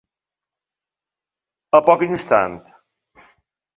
A poc instant.